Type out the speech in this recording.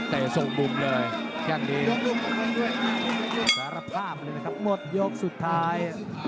แต่ส่งมุมเลยแค่นี้สารภาพเลยนะครับหมดยกสุดท้าย